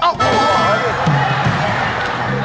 พูดว่าใคร